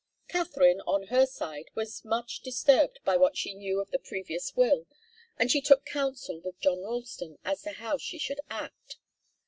Katharine on her side was much disturbed by what she knew of the previous will, and she took counsel with John Ralston, as to how she should act.